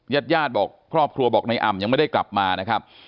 ญาติญาติบอกครอบครัวบอกในอ่ำยังไม่ได้กลับมานะครับ